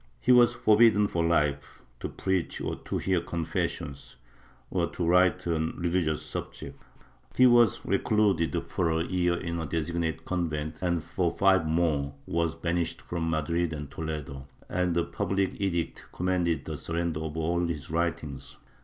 He was forbidden for life to preach or to hear confessions, or to write on religious subjects; he was recluded for 28 MYSTICISM [Book VIII a year in a designated convent and for five more was banished from Madrid and Toledo, and a public edict commanded the sur render of all his writings.